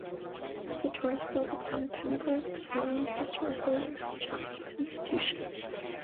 The tours build upon Pembroke's long historical links with Japanese institutions.